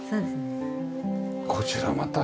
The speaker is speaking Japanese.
こちらまた。